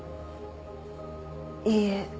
いいえ。